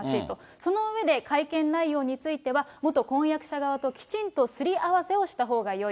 その上で、会見内容については元婚約者の側ときちんとすり合わせをした方がよい。